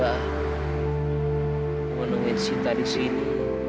aku menunggu sinta di sini